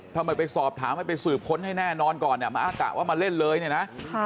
ทำไมไปสอบถามให้ไปสืบค้นให้แน่นอนก่อนมาอ้างกะว่ามาเล่นเลยเนี่ยนะ